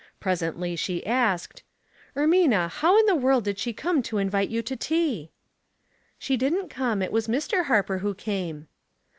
Presently she asked, — "Ermina, how in the world did she come to invite you to tea ?" "She didn't come. It was Mr. Harper who came."